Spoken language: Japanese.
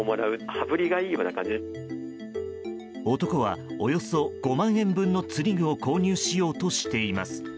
男はおよそ５万円分の釣り具を購入しようとしています。